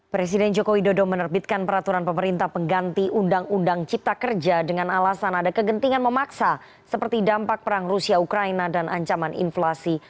presiden joko widodo menerbitkan peraturan pemerintah pengganti undang undang cipta kerja dengan alasan ada kegentingan memaksa seperti dampak perang rusia ukraina dan ancaman inflasi